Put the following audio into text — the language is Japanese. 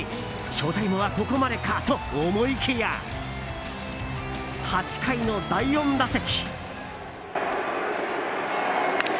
ショウタイムはここまでかと思いきや８回の第４打席。